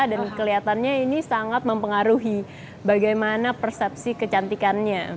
dan kelihatannya ini sangat mempengaruhi bagaimana persepsi kecantikannya